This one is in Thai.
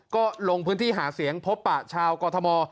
ก็ลงพื้นที่หาเสียงพบปะชาวกรทม